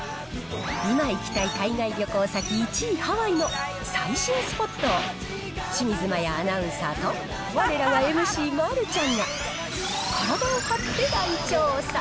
今行きたい海外旅行先１位ハワイの最新スポットを、清水麻椰アナウンサーと、われらのＭＣ、丸ちゃんが体を張って大調査。